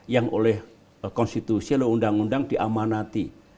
yang oleh konstitusi oleh undang undang diamanati